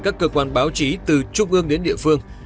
các cơ quan báo chí từ trung ương đến địa phương